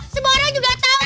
semua orang juga tahu